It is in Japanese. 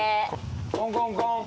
コンコンコン。